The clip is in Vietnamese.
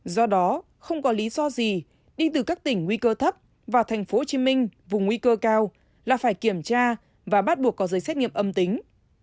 do đó không có lý do gì đi từ các tỉnh nguy cơ thấp vào thành phố hồ chí minh vùng nguy cơ cao là phải kiểm tra và bắt buộc có giấy xét nghiệm âm tính